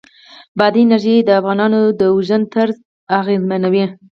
بادي انرژي د افغانانو د ژوند طرز اغېزمنوي.